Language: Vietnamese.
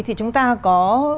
thì chúng ta có